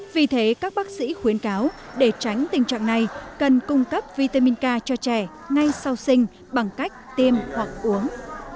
vì thế các bác sĩ khuyến cáo để tránh tình trạng này cần cung cấp vitamin ca cho trẻ ngay sau sinh bằng cách tiêm hoặc uống